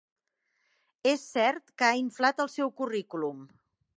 És cert que ha inflat el seu currículum.